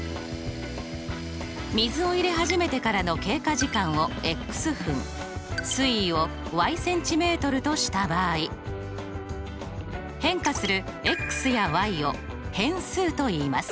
水を入れ始めてからの経過時間を分水位をｃｍとした場合変化するやを変数といいます。